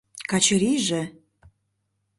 — Качырийже...